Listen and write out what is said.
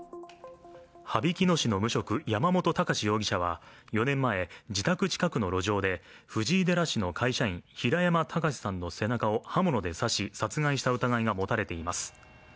羽曳野市の無職、山本孝容疑者は４年前、自宅近くの路上で藤井寺市の会社員、平山喬司さんの背中を刃物で刺し殺害した疑いが持たれています。